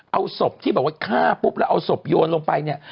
เอาศพที่แบบว่าฆ่าปุ๊บแล้วเอาศพโยนลงไปเนี่ย